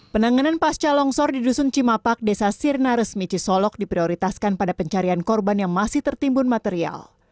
penanganan pasca longsor di dusun cimapak desa sirna resmi cisolok diprioritaskan pada pencarian korban yang masih tertimbun material